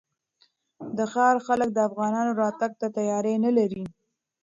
د ښار خلک د افغانانو راتګ ته تیاری نه لري.